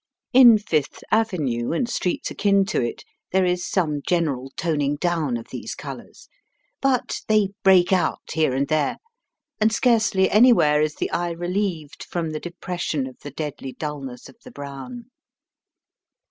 In Fifth Avenue and streets akin to it, there is some general toning down of these colours. But they break out here and there, and scarcely anywhere is the eye relieved from the depression of the deadly dulness of the brown.